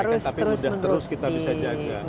harus terus terus di maintain